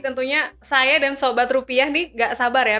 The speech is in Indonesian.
tentunya saya dan sobat rupiah nih gak sabar ya